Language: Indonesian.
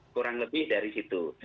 kurang lebih dari situ